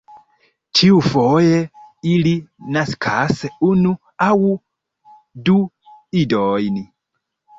Ĉiufoje ili naskas unu aŭ du idojn.